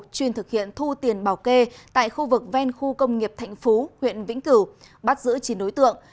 chuyên thực hiện thu tiền bảo kê tại khu vực ven khu công nghiệp thạnh phú huyện vĩnh cửu bắt giữ chín đối tượng